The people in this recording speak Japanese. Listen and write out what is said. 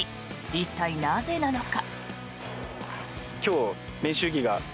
一体、なぜなのか。